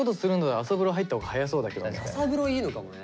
朝風呂いいのかもね。